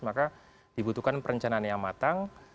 maka dibutuhkan perencanaan yang matang